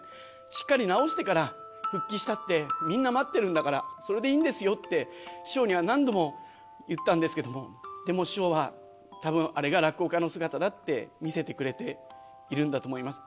しっかり治してから復帰したって、みんな待っているんだから、それでいいんですよって、師匠には何度も言ったんですけども、でも、師匠はたぶん、あれが落語家の姿だって、見せてくれているんだと思います。